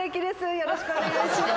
よろしくお願いします。